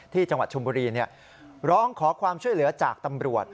จังหวัดชมบุรีร้องขอความช่วยเหลือจากตำรวจ